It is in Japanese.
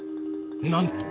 何と！？